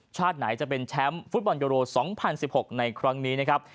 ไหนจะเป็นแชมป์ฟุตบอลยูโร๒๐๑๖ในครั้งนี้นะครับ